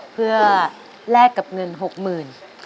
เพื่อแลกกับเงิน๖๐๐๐บาท